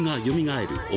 よみがえる